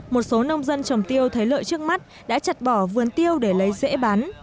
một số nông dân trồng tiêu thấy lợi trước mắt đã chặt bỏ vườn tiêu để lấy rễ bán